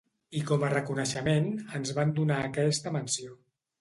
I com a reconeixement ens van donar aquesta menció.